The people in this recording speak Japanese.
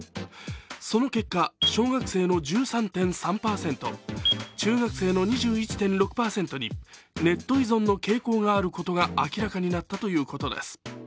その結果、小学生の１３．３％、中学生の２１．６％にネット依存の傾向があることが明らかになったということです。